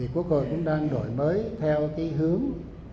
quốc hội cũng đang đổi mới theo hướng